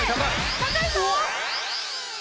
高いぞ！